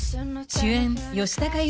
主演